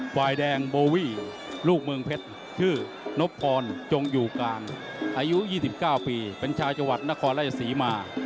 ฝ่ายแดงโบวี่ลูกเมืองเพชรชื่อนบพรจงอยู่กลางอายุ๒๙ปีเป็นชาวจังหวัดนครราชศรีมา